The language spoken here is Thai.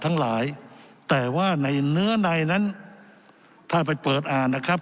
ทั้งหลายแต่ว่าในเนื้อในนั้นถ้าไปเปิดอ่านนะครับ